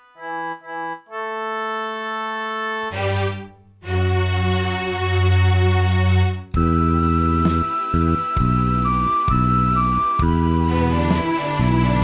โชคดีครับบ้าง